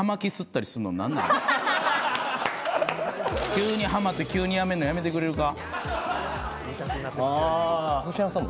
急にはまって急にやめるのやめてくれるか？